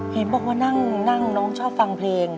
เห็นบอกว่านั่งน้องชอบฟังเพลง